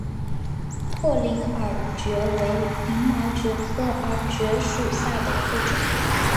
阔鳞耳蕨为鳞毛蕨科耳蕨属下的一个种。